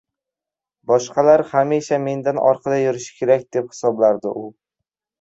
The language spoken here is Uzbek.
boshqalar hamisha mendan orqada yurishi kerak deb hisoblardi u.